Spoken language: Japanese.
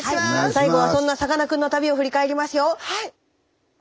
最後はそんなさかなクンの旅を振り返りますよ。